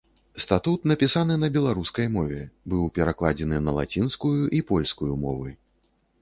Статут напісаны на беларускай мове, быў перакладзены на лацінскую і польскую мовы.